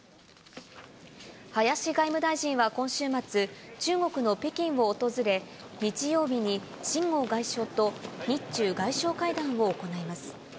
林外務大臣は今週末、中国の北京を訪れ、日曜日に秦剛外相と日中外相会談を行います。